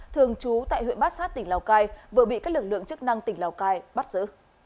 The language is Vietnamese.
thường trú tại huyện bát sát tỉnh lào cai vừa bị các lực lượng chức năng tỉnh lào cai bắt giữ